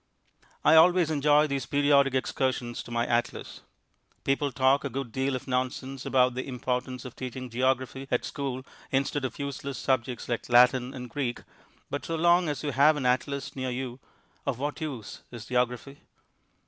I always enjoy these periodic excursions to my atlas. People talk a good deal of nonsense about the importance of teaching geography at school instead of useless subjects like Latin and Greek, but so long as you have an atlas near you, of what use is geography?